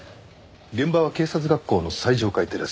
現場は警察学校の最上階テラス。